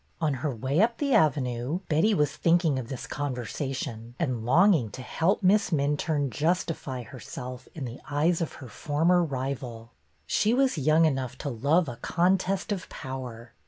On her way up the Avenue, Betty was thinking of this conversation and longing to help Miss Minturne justify herself in the eyes of' her former rival. She was young enough to love a contest of power.